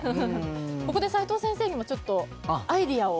ここで齋藤先生にもちょっとアイデアを。